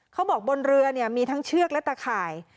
บนเรือเนี่ยมีทั้งเชือกและตะข่าย